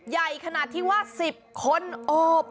ใหญ่ขนาดที่ว่า๑๐คนโอบ